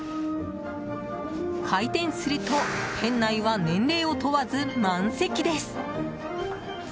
開店すると、店内は年齢を問わず満席です。